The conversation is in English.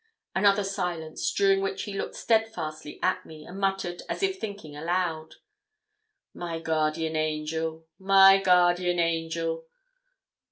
Another silence, during which he looked steadfastly at me, and muttered, as if thinking aloud 'My guardian angel! my guardian angel!